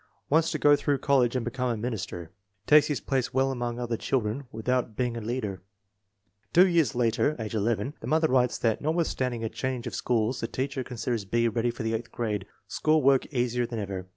Wants to go through college and become a minister. Takes his place well among other children without being a leader. Two years later, age 11. The mother writes that notwithstanding a change of schools the teacher con siders B. ready for the eighth grade. School work easier than ever.